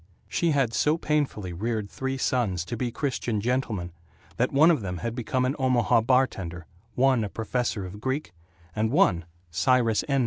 She had so painfully reared three sons to be Christian gentlemen that one of them had become an Omaha bartender, one a professor of Greek, and one, Cyrus N.